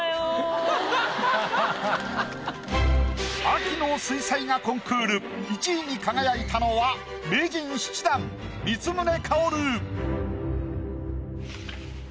秋の水彩画コンクール１位に輝いたのは名人７段光宗薫。